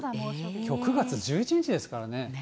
きょう９月１１日ですからね。